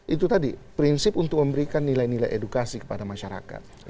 itu tadi prinsip untuk memberikan nilai nilai edukasi kepada masyarakat